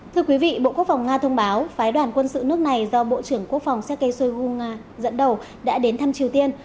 thưa quý vị bộ quốc phòng nga thông báo phái đoàn quân sự nước này do bộ trưởng quốc phòng sergei shoigu nga dẫn đầu đã đến thăm triều tiên